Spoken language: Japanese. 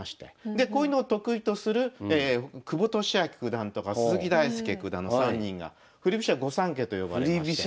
でこういうのを得意とする久保利明九段とか鈴木大介九段の３人が振り飛車御三家と呼ばれまして。